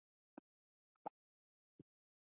ایا تاسو د غوږ او ستوني ډاکټر یاست؟